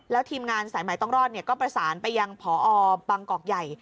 แล้วทีมงานสายไหมต้องรอดเนี่ยก็ประสานไปยังผอปังกรกใหญ่